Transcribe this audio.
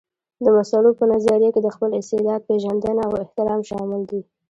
د مسلو په نظريه کې د خپل استعداد پېژندنه او احترام شامل دي.